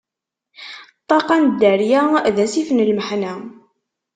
Ṭṭaqqa n dderya, d asif n lmeḥna.